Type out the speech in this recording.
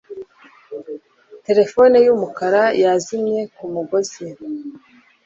Terefone yumukara yazimye kumugozi,